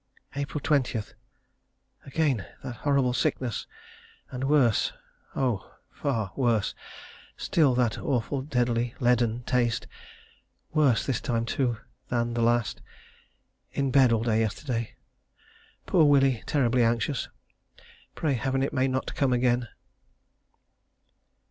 April 20. Again that horrible sickness, and worse oh, far worse still, that awful deadly leaden taste. Worse this time, too, than the last. In bed all day yesterday. Poor Willie terribly anxious. Pray Heaven it may not come again.